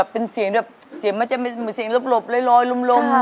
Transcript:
เป็นเสียงแบบเหมือนเสียงลบล้อยลม